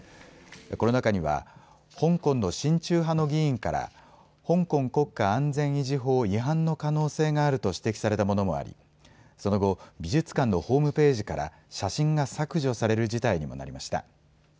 この中には、香港の親中派の議員から香港国家安全維持法違反の可能性があると指摘されたものもありその後、美術館のホームページから写真が削除される事態になりました。